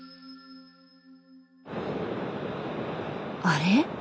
あれ？